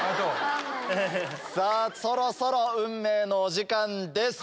さぁそろそろ運命のお時間です。